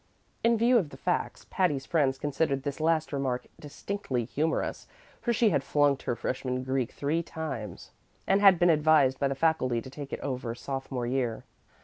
In view of the facts, Patty's friends considered this last remark distinctly humorous, for she had flunked her freshman Greek three times, and had been advised by the faculty to take it over sophomore year.